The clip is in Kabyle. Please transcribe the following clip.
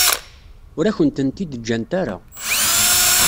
Ur akent-tent-id-ǧǧant ara.